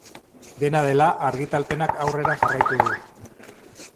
Dena dela, argitalpenak aurrera jarraitu du.